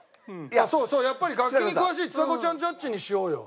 そうそうやっぱり楽器に詳しいちさ子ちゃんジャッジにしようよ。